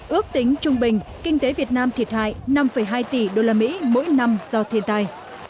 ước tính trung bình kinh tế việt nam thiệt hại năm hai tỷ usd mỗi năm do thiên tai